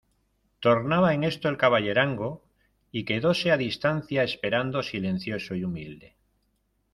tornaba en esto el caballerango, y quedóse a distancia esperando silencioso y humilde.